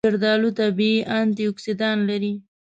زردآلو طبیعي انټياکسیدان لري.